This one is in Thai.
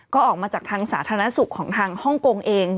ก็ออกมาจากทางสาธารณสุขของทางฮ่องกงเอง